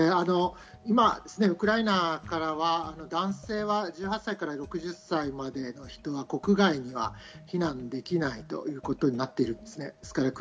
今、ウクライナは男性は１８歳から６０歳までの人は国外には避難できないということになっています。